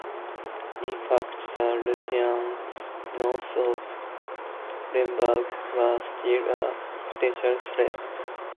In fact, the Russians north of Lemberg were still a potential threat.